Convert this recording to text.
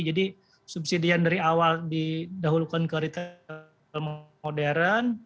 jadi subsidi yang dari awal didahulukan ke retail modern